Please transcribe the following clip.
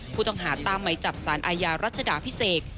ผู้ต้องหาตามไหมจับสารอาญารัชดาพิเศษ